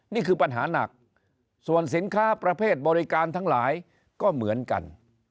นี่คือปัญหาหนักส่วนสินค้าประเภทบริการทั้งหลายก็เหมือนกัน